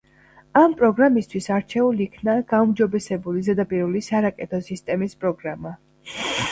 ამ პროგრამისთვის არჩეულ იქნა „გაუმჯობესებული ზედაპირული სარაკეტო სისტემის“ პროგრამა.